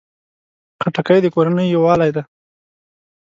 خټکی د کورنۍ یووالي ده.